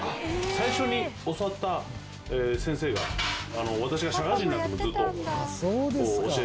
最初に教わった先生が私が社会人になってもずっと教えてて。